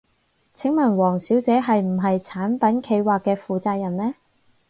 請問王小姐係唔係產品企劃嘅負責人呢？